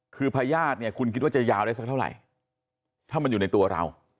คือพญาติเนี่ยคุณคิดว่าจะยาวได้สักเท่าไหร่ถ้ามันอยู่ในตัวเรา